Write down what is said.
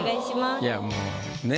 いやもうね。